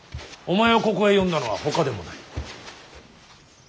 お前をここへ呼んだのはほかでもない。